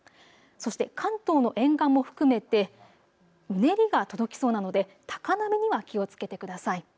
そして関東の沿岸も含めてうねりが届きそうなので高波には気をつけてください。